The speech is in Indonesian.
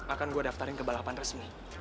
akan gue daftarin ke balapan resmi